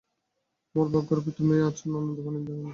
আমার ভাগ্যগুণে তুমি আছ নন্দনবনের ইন্দ্রাণী।